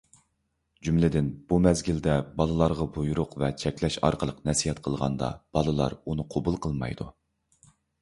جۈملىدىن، بۇ مەزگىلدە بالىلارغا بۇيرۇق ۋە چەكلەش ئارقىلىق نەسىھەت قىلغاندا بالىلار ئۇنى قوبۇل قىلمايدۇ.